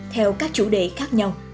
theo các chủ đề khác nhau